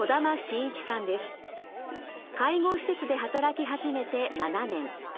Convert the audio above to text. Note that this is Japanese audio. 介護施設で働き始めて７年。